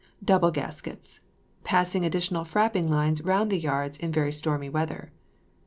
Double gaskets. Passing additional frapping lines round the yards in very stormy weather.